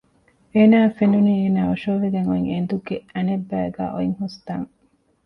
އޭނާއަށް ފެނުނީ އޭނާ އޮށޯވެގެން އޮތް އެނދުގެ އަނެއްބައިގައި އޮތް ހުސްތަން